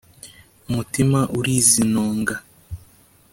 umutima urizinonga